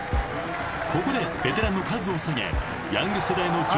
［ここでベテランのカズを下げヤング世代の城らを投入］